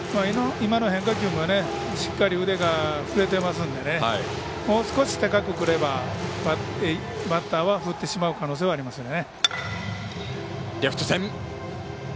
今の変化球も、しっかり腕が振れていますのでもう少し、高くくればバッターは振ってしまう可能性はありますね。